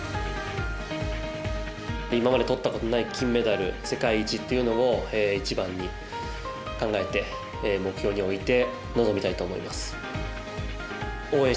今までとったことのない金メダル世界一というのを一番に考えて目標に置いて臨みたいと思います。